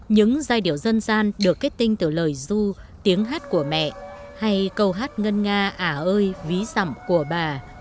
những giai điệu dân gian được kết tinh từ lời du tiếng hát của mẹ hay câu hát ngân nga ả ơi ví dặm của bà